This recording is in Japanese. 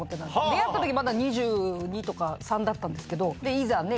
出会った時まだ２２とか２３だったんですけどでいざね